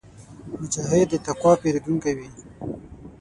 مجاهد د تقوا پېرودونکی وي.